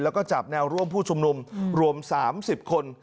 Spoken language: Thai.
แล้วก็จับแนวร่วมผู้ชุมนุมรวม๓๐คน